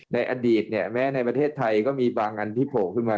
ในอดีตเนี่ยแม้ในประเทศไทยก็มีบางอันที่โผล่ขึ้นมา